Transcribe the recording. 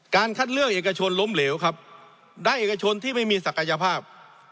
คัดเลือกเอกชนล้มเหลวครับได้เอกชนที่ไม่มีศักยภาพ